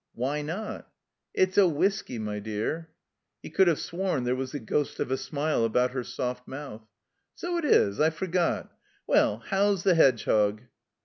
"Why not?" "It's a whisky, my dear." (He could have sworn there was the ghost of a smile about her soft mouth.) "So it is. I forgot. Well, how's the Hedgehog?"